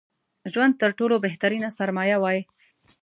ژوند تر ټولو بهترينه سرمايه وای